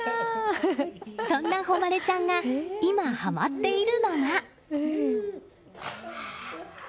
そんな帆稀ちゃんが今はまっているのが。